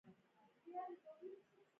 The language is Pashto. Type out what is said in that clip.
اې بي منفي نادره وینه ده